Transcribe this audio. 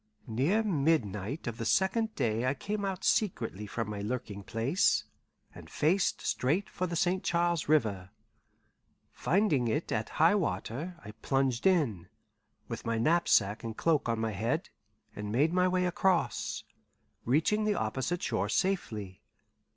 Near midnight of the second day I came out secretly from my lurking place, and faced straight for the St. Charles River. Finding it at high water, I plunged in, with my knapsack and cloak on my head, and made my way across, reaching the opposite shore safely.